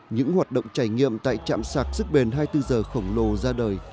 những hoạt động trải nghiệm tại trạm sạc sức bền hai mươi bốn h khổng lồ ra đời